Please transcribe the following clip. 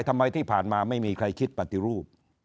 ที่ผ่านมาไม่มีใครคิดปฏิรูป